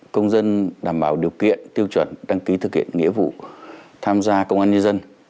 công dân đảm bảo điều kiện tiêu chuẩn đăng ký thực hiện nghĩa vụ tham gia công an nhân dân